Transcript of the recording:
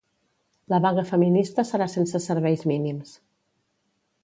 La vaga feminista serà sense serveis mínims